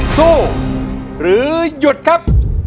สู้หรือหยุดครับ